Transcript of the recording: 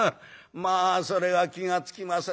『まあそれは気が付きませんでした。